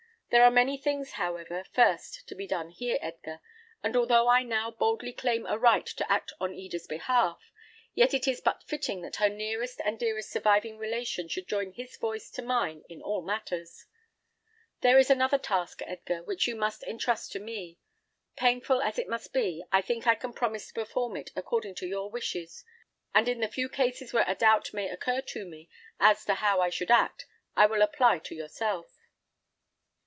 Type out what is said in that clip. There are many things, however, first to be done here, Edgar; and although I now boldly claim a right to act on Eda's behalf, yet it is but fitting that her nearest and dearest surviving relation should join his voice to mine in all matters. There is another task, Edgar, which you must entrust to me. Painful as it must be, I think I can promise to perform it according to your wishes; and in the few cases where a doubt may occur to me, as to how I should act, I will apply to yourself."